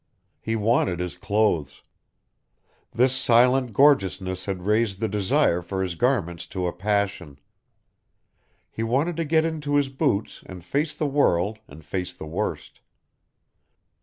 He wanted his clothes. This silent gorgeousness had raised the desire for his garments to a passion. He wanted to get into his boots and face the world and face the worst.